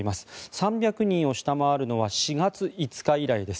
３００人を下回るのは４月５日以来です。